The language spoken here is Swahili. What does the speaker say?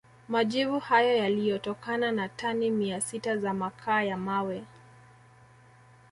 Majivu hayo yaliyotokana na tani mia sita za makaa ya mawe